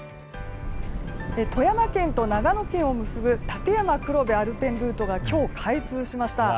富山県と長野県を結ぶ立山黒部アルペンルートが今日、開通しました。